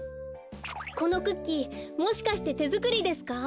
このクッキーもしかしててづくりですか？